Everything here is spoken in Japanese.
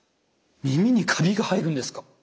耳にカビが生えるんですか？